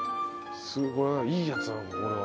いいやつなのかこれは。